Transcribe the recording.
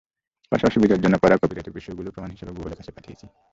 পাশাপাশি বিজয়ের জন্য করা কপিরাইটের বিষয়গুলোও প্রমাণ হিসেবে গুগলের কাছে পাঠিয়েছি।